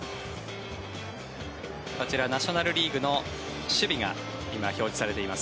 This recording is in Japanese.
こちらナショナル・リーグの守備が今、表示されています。